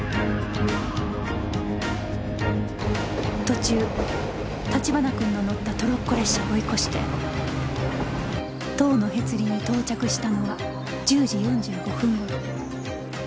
途中立花君の乗ったトロッコ列車を追い越して塔のへつりに到着したのは１０時４５分頃。